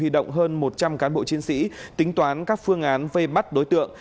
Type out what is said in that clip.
động hơn một trăm linh cán bộ chiến sĩ tính toán các phương án vây bắt đối tượng